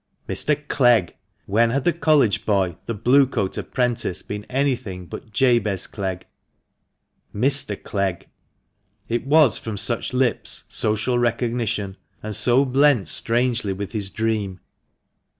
Mr. Clegg: When had the College boy— the Blue coat apprentice — been anything but Jabez Clegg? Mr. Clegg! It was from such lips social recognition, and so blent strangely with THE MANCHESTER MAN. 201 his dream.